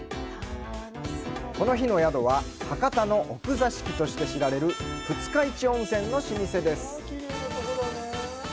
この日の宿は、博多の奥座敷として知られる二日市温泉の老舗です。